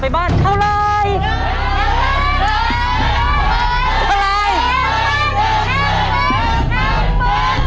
มาดูต่อเลยว่าโบนัสหลังตู้หมายเลข๒เท่าไร